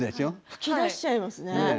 吹き出しちゃいますね。